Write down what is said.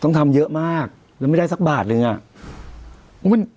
ต้องทำเยอะมากแล้วไม่ได้สักบาทเลยอ่ะ